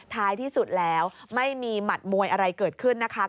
ท้ายที่สุดแล้วไม่มีหมัดมวยอะไรเกิดขึ้นนะคะ